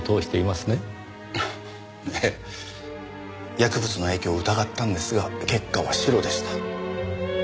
薬物の影響を疑ったんですが結果はシロでした。